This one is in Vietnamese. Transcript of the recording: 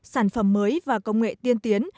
sản phẩm mới và công nghệ tiên tiến